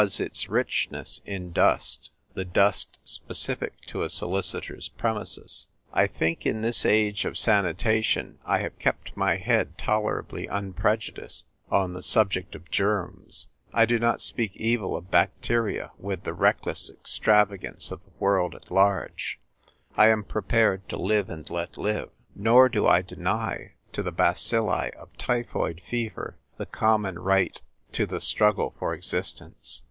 33 its richness in dust — the dust specific to a solicitor's premises. I thinl<, in this age of sanitation, I have kept my head tolerably un prejudiced on the subject of germs ; I do not speak evil of bacteria with the reckless extra vagance of the world at large ; I am prepared to live and let live ; nor do 1 deny to the bacilli of typhoid fever the common right to the struggle for existence.